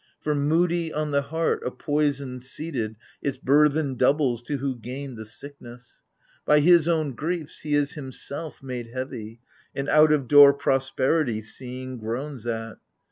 For moody, on the heart, a poison seated Its burthen doubles to who gained the sickness : By his own griefs he is himself made heavy, And out of door prosperity seeing groans at.